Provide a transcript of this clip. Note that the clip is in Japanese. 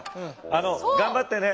あの頑張ってね。